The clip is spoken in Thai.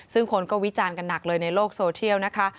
ซึ่งคนก็วิจารณ์กันหนักเลยในโลกโซเทียลนะคะ